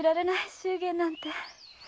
祝言なんて。